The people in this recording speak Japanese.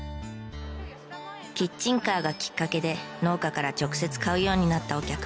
キッチンカーがきっかけで農家から直接買うようになったお客も。